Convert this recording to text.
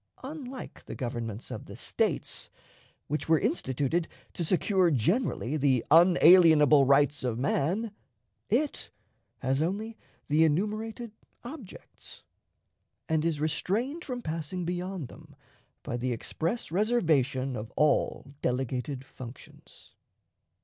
Unlike the governments of the States, which were instituted to secure generally the unalienable rights of man, it has only the enumerated objects, and is restrained from passing beyond them by the express reservation of all delegated functions.